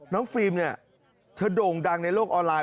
ฟิล์มเนี่ยเธอโด่งดังในโลกออนไลน